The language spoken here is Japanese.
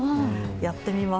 やってみます。